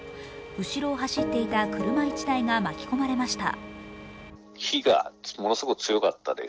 後ろを走っていた車１台が巻き込まれました。